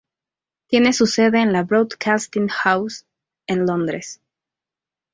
Tiene su sede en la Broadcasting House en Londres.